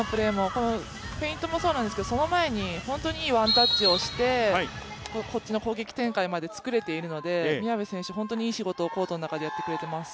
このフェイントもそうなんですけどその前に本当にいいワンタッチをしてこっちの攻撃展開まで作れているので宮部選手、本当にいい仕事をコートの中でやってくれています。